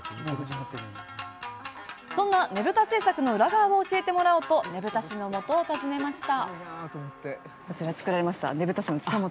そんな、ねぶた制作の裏側を教えてもらおうとねぶた師のもとを訪ねました。